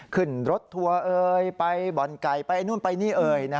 ขึ้นรถทัวร์ไปบ่อนไก่ไปนู่นไปนี่